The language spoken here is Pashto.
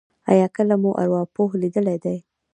ایا کله مو ارواپوه لیدلی دی؟